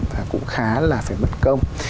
và cũng khá là phải mất công